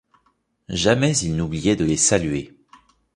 Jamais il n’oubliait de les saluer.